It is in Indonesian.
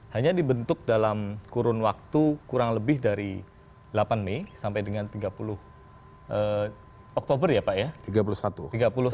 hanya dibentuk dalam kurun waktu kurang lebih dari delapan mei sampai dengan tiga puluh oktober ya pak ya